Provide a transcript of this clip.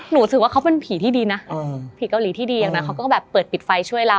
รู้สึกว่าเขาเป็นผีที่ดีนะผีเกาหลีที่ดีอย่างนะเขาก็แบบเปิดปิดไฟช่วยเรา